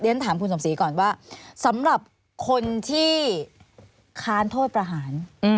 ฉันถามคุณสมศรีก่อนว่าสำหรับคนที่ค้านโทษประหาร